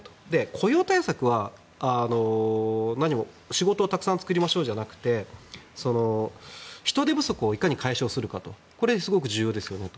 雇用対策は何も仕事をたくさん作りましょうじゃなくて人手不足をいかに解消するかこれ、すごく重要ですよね。